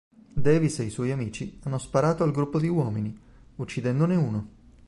Davis e i suoi amici hanno sparato al gruppo di uomini, uccidendone uno.